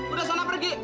udah sana pergi